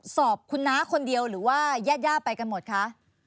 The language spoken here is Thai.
สอบคุณน้าคนเดียวหรือว่าญาติย่าไปกันหมดคะ